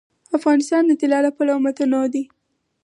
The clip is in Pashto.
افغانستان د طلا له پلوه متنوع دی.